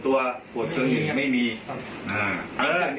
อ่าเขาก็เลยดำเนินการให้